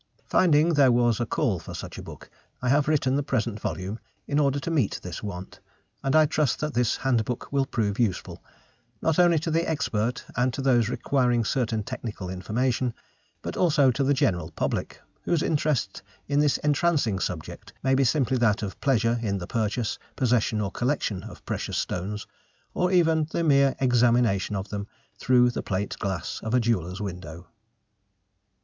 Finding there was a call for such a book I have written the present volume in order to meet this want, and I trust that this handbook will prove useful, not only to the expert and to those requiring certain technical information, but also to the general public, whose interest in this entrancing subject may be simply that of pleasure in the purchase, possession, or collection of precious stones, or even in the mere examination of them through the plate glass of a jeweller's window.